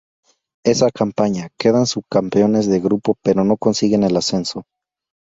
Esa campaña quedan subcampeones de grupo pero no consiguen el ascenso.